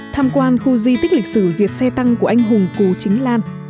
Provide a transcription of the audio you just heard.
tham quan khu di tích lịch sử diệt xe tăng của anh hùng cố chính lan